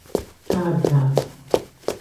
გაგა